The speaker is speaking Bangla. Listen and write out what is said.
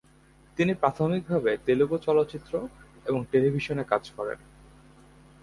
তিনি প্রাথমিকভাবে তেলুগু চলচ্চিত্র এবং টেলিভিশনে কাজ করেন।